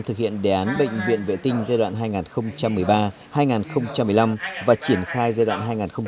thực hiện đề án bệnh viện vệ tinh giai đoạn hai nghìn một mươi ba hai nghìn một mươi năm và triển khai giai đoạn hai nghìn một mươi sáu hai nghìn hai mươi năm